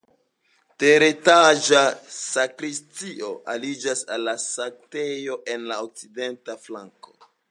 Teretaĝa sakristio aliĝas al la sanktejo en la okcidenta flanko.